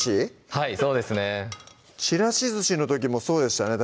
はいそうですね「ちらしずし」の時もそうでしたね